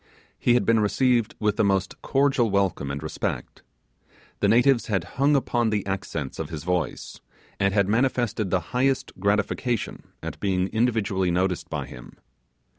He had been received with the most cordial welcome and respect. The natives had hung upon the accents of his voice, and, had manifested the highest gratification at being individually noticed by him.